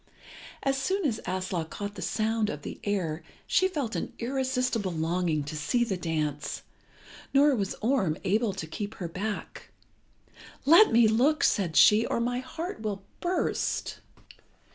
As soon as Aslog caught the sound of the air she felt an irresistible longing to see the dance, nor was Orm able to keep her back. "Let me look," said she, "or my heart will burst."